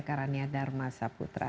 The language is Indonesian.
karania dharma saputra